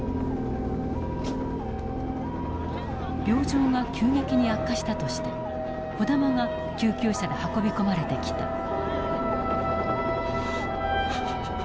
病状が急激に悪化したとして児玉が救急車で運び込まれてきた。